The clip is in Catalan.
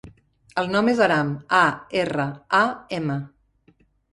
El nom és Aram: a, erra, a, ema.